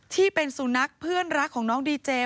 ที่เป็นสุนัขเพื่อนรักของน้องดีเจ